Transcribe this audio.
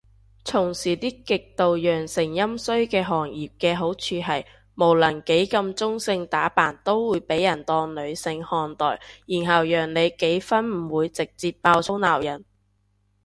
從事啲極度陽盛陰衰嘅行業嘅好處係，無論幾咁中性打扮都會被人當女性看待，然後讓你幾分唔會直接爆粗鬧人